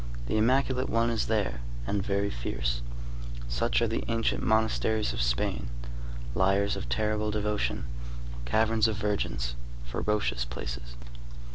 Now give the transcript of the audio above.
The immaculate one is there, and very fierce. Such are the ancient monasteries of Spain. Liars of terrible devotion, caverns of virgins, ferocious places.